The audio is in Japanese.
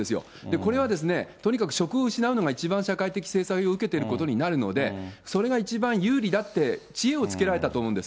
これはとにかく職を失うのが一番社会的制裁を受けてることになるので、それが一番有利だって知恵をつけられたと思うんです。